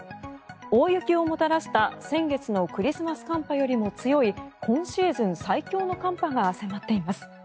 大雪をもたらした先月のクリスマス寒波よりも強い今シーズン最強の寒波が迫っています。